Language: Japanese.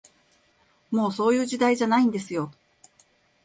もう、そういう時代じゃないんですよ